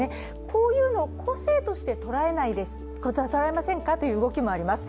こういうのを個性として捉えませんかという動きもあります。